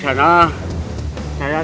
tidak ada yang di sana